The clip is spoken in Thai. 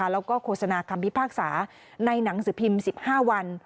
แล้วก็โฆษณาคำพิพากษาในหนังสือพิมพ์๑๕วัน